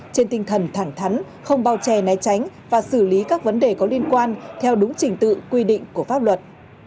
trên tinh thần thẳng thắn không bao che né tránh và xử lý các vấn đề có liên quan theo đúng trình tự quy định của pháp luật